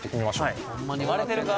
・割れてるか？